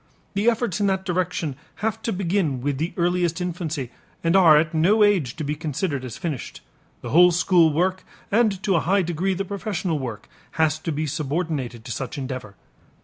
The efforts in that direction have to begin with the earliest infancy and are at no age to be considered as finished; the whole school work and to a high degree the professional work has to be subordinated to such endeavor.